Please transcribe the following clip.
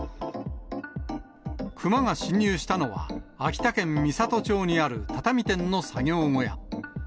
クマが侵入したのは、秋田県美郷町にある畳店の作業小屋。